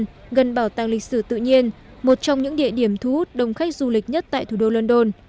tại khu vực nam kensington gần bảo tàng lịch sử tự nhiên một trong những địa điểm thu hút đồng khách du lịch nhất tại thủ đô london